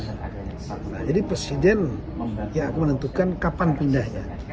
nah jadi presiden ya aku menentukan kapan pindahnya